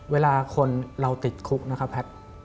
เวลาคนเราติดคุกนะครับแพทย์